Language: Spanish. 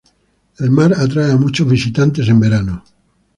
El mar atrae a muchos visitantes en verano.